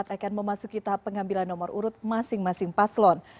akan memasuki tahap pengambilan nomor urut masing masing paslon